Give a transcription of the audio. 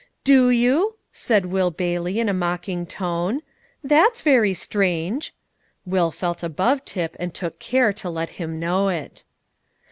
"Do you?" said Will Bailey in a mocking tone. "That's very strange!" Will felt above Tip, and took care to let him know it.